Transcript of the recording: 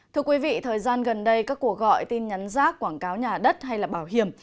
thưa quý vị thời gian gần đây các cuộc gọi tin nhắn rác quảng cáo nhà đất hay là bảo hiểm